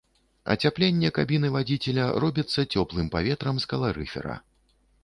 Ацяпленне кабіны вадзіцеля робіцца цёплым паветрам з каларыфера.